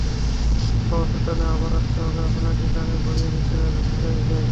ভালোবাসার টানে আবার আসতে হবে আপনাকে, গানে ভরিয়ে দিতে হবে শ্রোতার হৃদয়।